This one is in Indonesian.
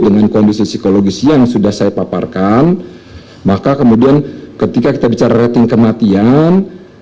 dengan kondisi psikologis yang sudah saya paparkan maka kemudian ketika kita bicara rating kematian